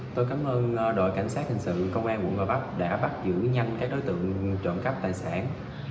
tôi cảm ơn đội cảnh sát hành sự công an quận người vóc đã bắt giữ nhanh các đối tượng trộm cắp tài sản